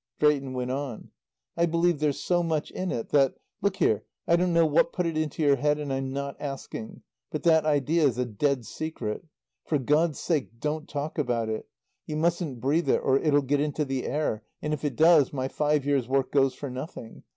Drayton went on. "I believe there's so much in it that Look here, I don't know what put it into your head, and I'm not asking, but that idea's a dead secret. For God's sake don't talk about it. You mustn't breathe it, or it'll get into the air. And if it does my five years' work goes for nothing.